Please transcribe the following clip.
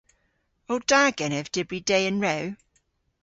O da genev dybri dehen rew?